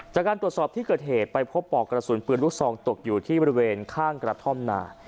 จากการตรวจสอบที่เกิดเหตุไปพบปอกกระสุนปืนลูกซองตกอยู่ที่บริเวณข้างกระท่อมนา